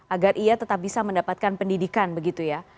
agar ia tetap bisa mendapatkan pendidikan begitu ya